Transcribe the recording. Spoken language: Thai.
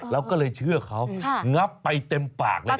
แล้วก็เลยเชื่อเขางับไปเต็มปากเลย